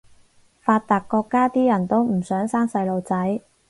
發達國家啲人都唔想生細路仔